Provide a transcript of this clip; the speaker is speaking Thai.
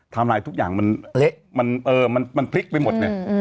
ทำร้ายทุกอย่างมันเพลิกไปหมด